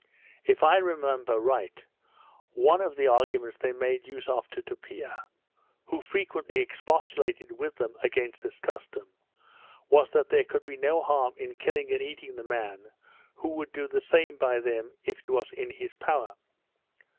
If I remember right, one of the arguments they made use of to Tupia, who frequently expostulated with them against this custom, was, that there could be no harm in killing and eating the man who would do the same by them if it was in his power.